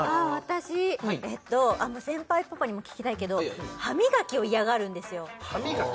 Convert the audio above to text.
私先輩パパにも聞きたいけど歯磨きを嫌がるんですよああ